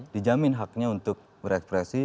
dijamin haknya untuk berekspresi